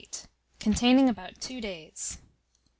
CONTAINING ABOUT TWO DAYS.